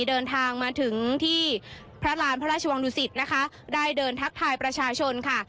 เดินทางมาถึงที่พระราณพระราชวังดุสิตนะคะได้เดินทักทายประชาชนค่ะ